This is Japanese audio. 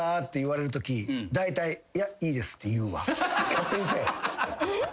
勝手にせえ！